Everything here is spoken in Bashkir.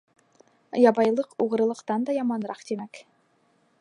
Ябайлыҡ уғрылыҡтан да яманыраҡ, тимәк.